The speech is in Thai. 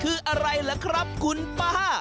คืออะไรล่ะครับคุณป้า